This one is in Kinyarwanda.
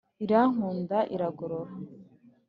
irakunda iragorora